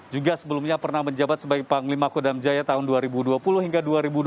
juga sebelumnya pernah menjabat sebagai panglima kodam jaya tahun dua ribu dua puluh hingga dua ribu dua puluh